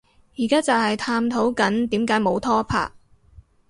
而家就係探討緊點解冇拖拍